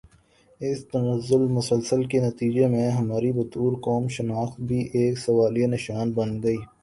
اس تنزل مسلسل کے نتیجے میں ہماری بطور قوم شناخت بھی ایک سوالیہ نشان بن گئی